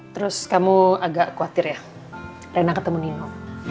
terus kamu agak khawatir ya rena ketemu nino